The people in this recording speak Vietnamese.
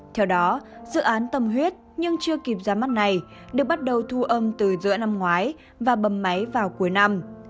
theo đó dự án tâm huyết nhưng chưa kịp ra mắt này được bắt đầu thu âm từ giữa năm ngoái và bầm máy vào cuối năm